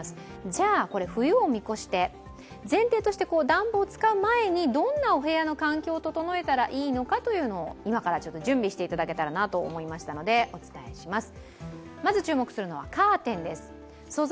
じゃあこれ、冬を見越して前提として暖房を使う前にどんなお部屋の環境を整えたらいいのかというのを今から準備していただければと思いますので、お伝えします。